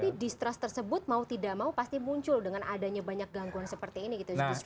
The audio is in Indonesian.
tapi distrust tersebut mau tidak mau pasti muncul dengan adanya banyak gangguan sepertinya